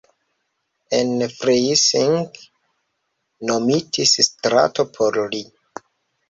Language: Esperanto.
En Freising nomitis strato por li.